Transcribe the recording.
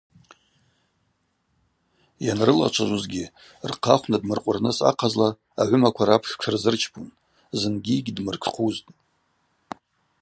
Йанрылачважвузгьи рхъахв надмыркъвырныс ахъазла агӏвымаква рапш тшырзырчпун, зынгьи йгьдмыртшхъвузтӏ.